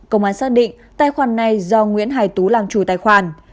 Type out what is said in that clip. công an xác định tài khoản này do nguyễn hải tú làm chủ tài khoản